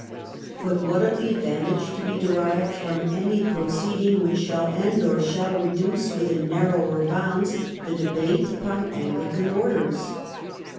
But what of the advantage to be derived from any proceeding which shall end or shall reduce within narrower bounds the debate upon Anglican orders?